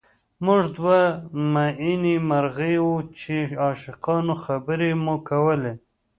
موږ دوه مئینې مرغۍ وو چې عاشقانه خبرې مو کولې